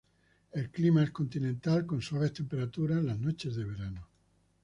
El clima es continental con suaves temperaturas en las noches de verano.